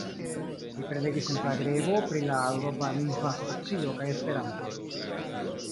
Mi prelegis en Zagrebo pri la Eŭropa lingva situacio kaj Esperanto.